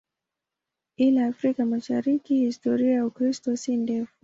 Ila Afrika Mashariki historia ya Ukristo si ndefu.